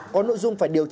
có nội dung phải điều chỉnh